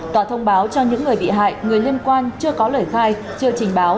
tòa thông báo cho những người bị hại người liên quan chưa có lời khai chưa trình báo